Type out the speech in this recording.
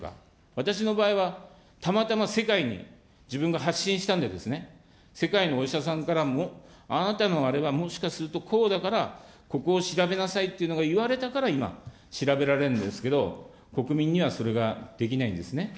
私の場合は、たまたま世界に自分が発信したんで、世界のお医者さんからも、あなたのあれは、もしかするとこうだから、ここを調べなさいっていうのが言われたから今、調べられるんですけど、国民にはそれができないんですね。